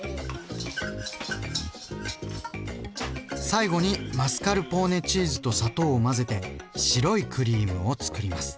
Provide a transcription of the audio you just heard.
最後にマスカルポーネチーズと砂糖を混ぜて白いクリームをつくります。